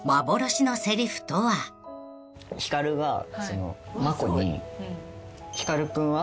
光が真子に「光君は？